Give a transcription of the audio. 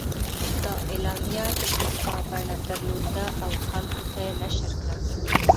دا اعلامیه د فتوا بڼه درلوده او خلکو ته یې نشر کړه.